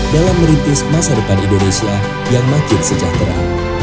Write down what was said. dalam merintis masa depan indonesia yang makin sejahtera